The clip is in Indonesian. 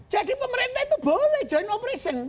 jadi pemerintah itu boleh joint operation